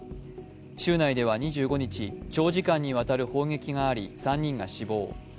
州内では２５日、長時間にわたる砲撃があり３人が死亡。